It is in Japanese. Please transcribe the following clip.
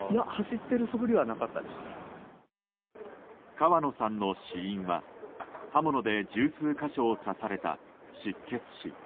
川野さんの死因は刃物で十数か所を刺された失血死。